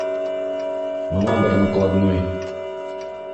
Бына бер накладной.